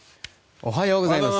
おはようございます。